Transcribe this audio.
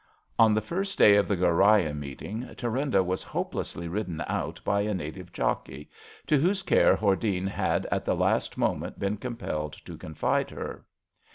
On the first day of the Ghoriah meeting Thu rinda was hopelessly ridden out by a native jockey, to whose care Hordene had at the last moment SLEIPNEE,'' LATE THURINDA'^ 137 been compelled to confide her.